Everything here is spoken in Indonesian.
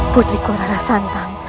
putriku rara santang